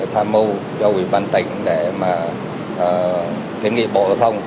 thoà mưu cho quỹ văn tỉnh để mà kiến nghị bộ giao thông